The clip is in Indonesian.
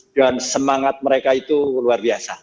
dan semangat mereka itu luar biasa